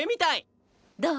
どう？